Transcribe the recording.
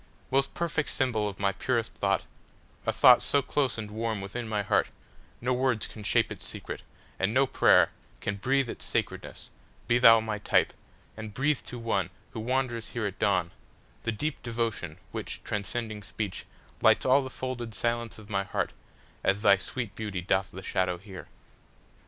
Most perfect symbol of my purest thought,—A thought so close and warm within my heartNo words can shape its secret, and no prayerCan breathe its sacredness—be thou my type, And breathe to one, who wanders here at dawn, The deep devotion, which, transcending speech, Lights all the folded silence of my heartAs thy sweet beauty doth the shadow here.